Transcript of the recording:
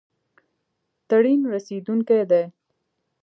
ټرین رسیدونکی دی